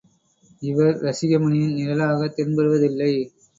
இவர் ரசிகமணியின் நிழலாகத் தென்படுவதில்லை.